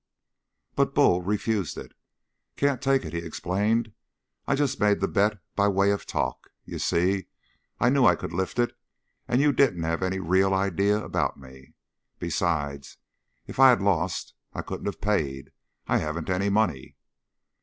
But Bull refused it. "Can't take it," he explained. "I just made the bet by way of talk. You see, I knew I could lift it; and you didn't have any real idea about me. Besides, if I'd lost I couldn't have paid. I haven't any money."